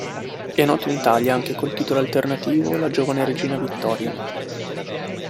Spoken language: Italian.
È noto in Italia anche col titolo alternativo La giovane regina Vittoria.